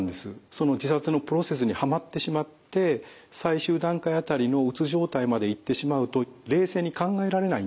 その自殺のプロセスにはまってしまって最終段階辺りのうつ状態までいってしまうと冷静に考えられないんですね。